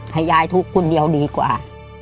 ให้ยายทุกข์คนเดียวดีกว่า